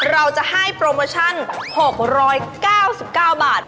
เราจะให้โปรโมชั่น๖๙๙บาท